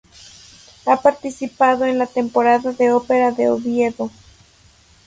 Ha participado en la Temporada de Opera de Oviedo.